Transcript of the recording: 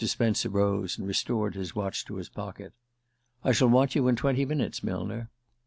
Spence arose and restored his watch to his pocket. "I shall want you in twenty minutes, Millner."